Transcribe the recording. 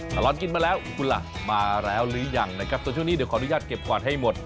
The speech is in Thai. ตลอดกินมาแล้วคุณล่ะมาแล้วหรือยังนะครับส่วนช่วงนี้เดี๋ยวขออนุญาตเก็บกวาดให้หมด